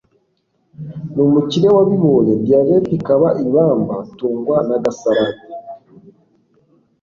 n'umukire wabibonye diabete ikaba ibamba tungwa n'agasarade